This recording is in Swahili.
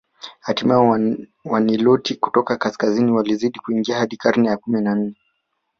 Hatimaye Waniloti kutoka kaskazini walizidi kuingia hadi karne ya kumi na nane